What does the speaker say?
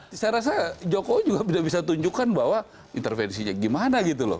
saya rasa jokowi juga tidak bisa tunjukkan bahwa intervensinya gimana gitu loh